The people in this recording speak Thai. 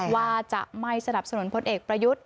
ว่าจะไม่สนับสนุนพลเอกประยุทธ์